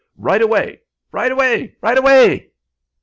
Right away, right away, right away!'